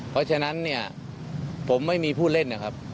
เพราะฉะนั้นเนี่ยผมไม่มีผู้เล่นนะครับ